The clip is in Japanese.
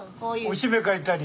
おしめ替えたり。